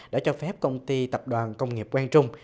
đã cho phép công ty tập đoàn công nghiệp quang trung